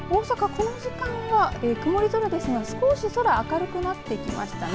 この時間は曇り空ですが少し空明るくなってきましたね。